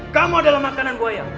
kamu adalah makanan buaya